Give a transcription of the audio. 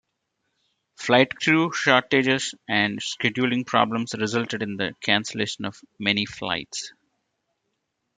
Flight crew shortages and scheduling problems resulted in the cancellation of many flights.